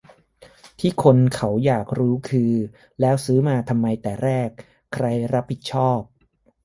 ที่คนเขาอยากรู้คือ แล้วซื้อมาทำไมแต่แรก ใครรับผิดชอบ